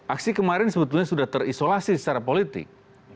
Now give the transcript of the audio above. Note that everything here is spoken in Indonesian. aksi kemarin sebetulnya sudah terisolasi secara politik